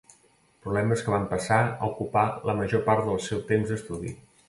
Problemes que van passar a ocupar la major part del seu temps d'estudi.